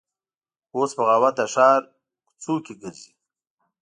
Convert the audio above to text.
اوس بغاوت د ښار کوڅ وکې ګرځي